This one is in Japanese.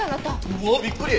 うわっびっくり！